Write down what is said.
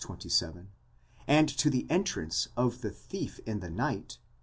27), and to the entrance of the thief in the night (v.